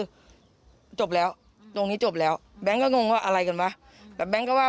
อำนาจจบแล้วตอนนี้จบแล้วแบงค์ก็หนูว่าอะไรกันเว้ยแบงค์ก็ว่า